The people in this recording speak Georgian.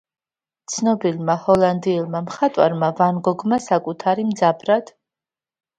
ცნობილმა ჰოლანდიელმა მხატვარმა ვან გოგმა საკუთარი მძაფრად.